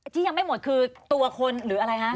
ที่ยังไม่หมดคือตัวคนหรืออะไรคะ